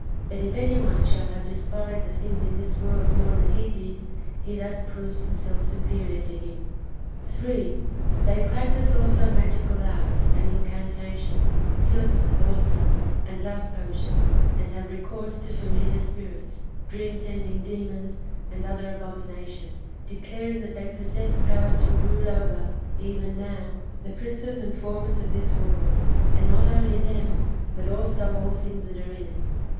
But if any one shall have despised the things in this world more than he did, he thus proves himself superior to him. 3. They practise also magical arts and incantations; philters, also, and love potions ; and have recourse to familiar spirits, dream sending demons, and other abominations, declar ing that they possess power to rule over, even now, the princes and formers of this world ; and not only them, but also all thincrs that are in it.